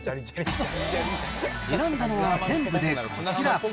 選んだのは全部でこちら。